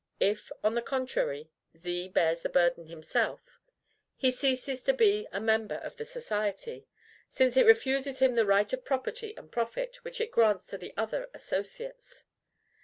If, on the contrary, Z bears the burden himself, he ceases to be a member of society; since it refuses him the right of property and profit, which it grants to the other associates.